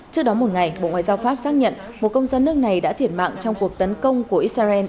trước đó một ngày bộ ngoại giao pháp xác nhận một công dân nước này đã thiệt mạng trong cuộc tấn công của israel